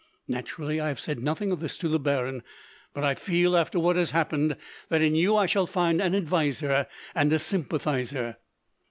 Naturally, I have said nothing of this to the baron, but I feel, after what has happened, that in you I shall find an adviser, and a sympathizer."